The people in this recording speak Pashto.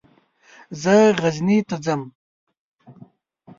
زه غزني ته ځم.